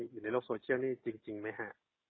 อยู่ในโลกโซเชียลนี่จริงไหมฮะ